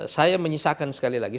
saya menyisakan sekali lagi